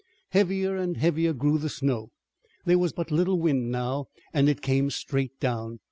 Heavier and heavier grew the snow. There was but little wind now, and it came straight down.